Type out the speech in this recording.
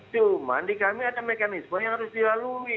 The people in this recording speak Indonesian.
cuma di kami ada mekanisme yang harus dilalui